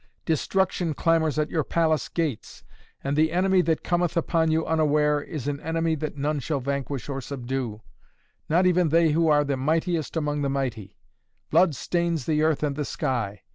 Destruction clamors at your palace gates, and the enemy that cometh upon you unaware is an enemy that none shall vanquish or subdue, not even they who are the mightiest among the mighty. Blood stains the earth and the sky.